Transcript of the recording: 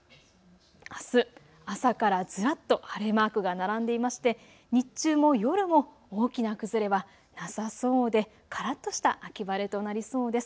あす朝からずらっと晴れマークが並んでいまして、日中も夜も大きな崩れはなさそうでからっとした秋晴れとなりそうです。